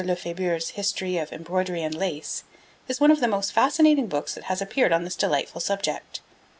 Lefebure's history of Embroidery and Lace is one of the most fascinating books that has appeared on this delightful subject.